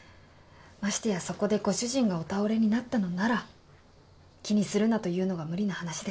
ましてやそこでご主人がお倒れになったのなら気にするなというのが無理な話です。